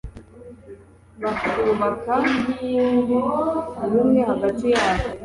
bakubaka ubumwe hagati yabo